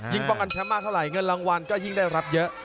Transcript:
ป้องกันแชมป์มากเท่าไหร่เงินรางวัลก็ยิ่งได้รับเยอะ